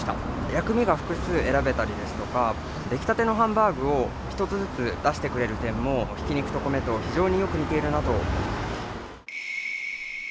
薬味が複数選べたりですとか、出来たてのハンバーグを１つずつ出してくれる点も挽肉と米に非常によく似ているなと。